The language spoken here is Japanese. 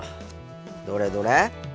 どれどれ？